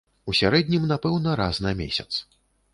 У сярэднім, напэўна, раз на месяц.